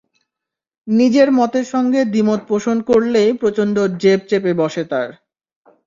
নিজের মতের সঙ্গে দ্বিমত পোষণ করলেই প্রচণ্ড জেদ চেপে বসে তার।